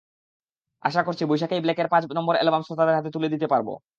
আশা করছি, বৈশাখেই ব্ল্যাকের পাঁচ নম্বর অ্যালবাম শ্রোতাদের হাতে তুলে দিতে পারব।